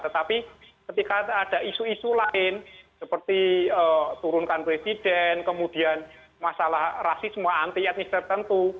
tetapi ketika ada isu isu lain seperti turunkan presiden kemudian masalah rasisme anti etnis tertentu